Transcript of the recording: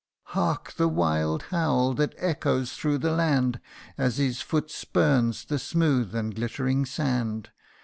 Hark ! the wild howl that echoes through the land, As his foot spurns the smooth and glittering sand.